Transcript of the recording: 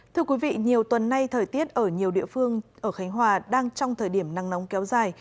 thưa quý vị nhiều tuần nay thời tiết ở nhiều địa phương ở khánh hòa đang trong thời điểm nắng nóng kéo dài